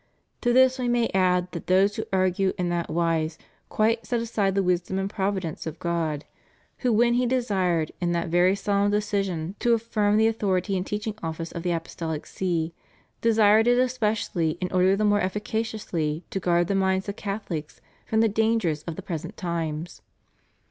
To this we may add that those who argue in that wise quite set aside the wisdom and providence of God; who when He desired in that very solemn decision to affirm the authority and teaching office of the Apos tolic See, desired it especially in order the more efficaciously to guard the minds of Catholics from the dangers of the present times.